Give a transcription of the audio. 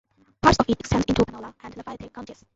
Parts of it extend into Panola and Lafayette counties.